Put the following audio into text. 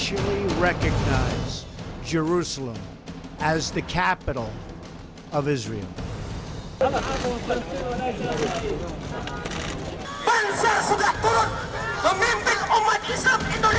akan terusir dari indonesia